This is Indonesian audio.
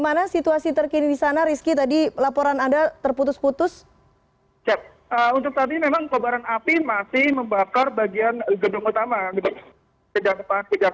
untuk petugas pemadam kebakaran saat ini kami berupaya melakukan pemadaman terhadap gedung yang terbakar